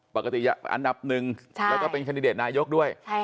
ปกติอันดับหนึ่งแล้วก็เป็นคันดิเดตนายกด้วย